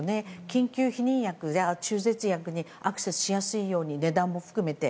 緊急避妊薬や中絶薬にアクセスしやすいに値段も含めて。